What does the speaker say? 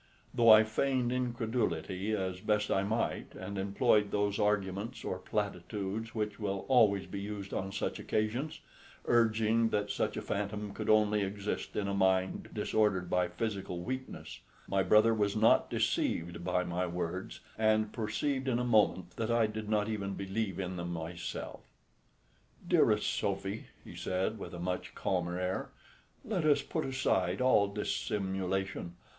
Though I feigned incredulity as best I might, and employed those arguments or platitudes which will always be used on such occasions, urging that such a phantom could only exist in a mind disordered by physical weakness, my brother was not deceived by my words, and perceived in a moment that I did not even believe in them myself. "Dearest Sophy," he said, with a much calmer air, "let us put aside all dissimulation.